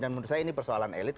dan menurut saya ini persoalan elit